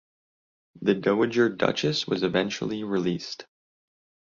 The Dowager Duchess was eventually released.